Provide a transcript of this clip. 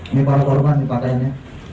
ini para korban pakaiannya